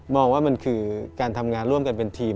ว่ามันคือการทำงานร่วมกันเป็นทีม